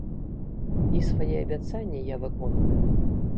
І свае абяцанні я выконваю.